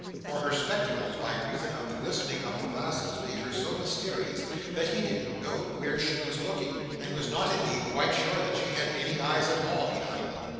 For her spectacles, by reason of the glistening of the glasses, made her so mysterious, that he didn't know where she was looking, and was not indeed quite sure that she had any eyes at all behind them.